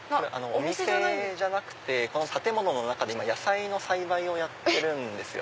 お店じゃなくて建物の中で野菜の栽培をやってるんですよ。